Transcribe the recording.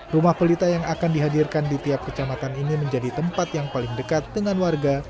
rumah pelita yang akan dihadirkan di tiap kecamatan ini menjadi tempat yang paling dekat dengan warga